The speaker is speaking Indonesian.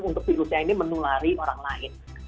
untuk virusnya ini menulari orang lain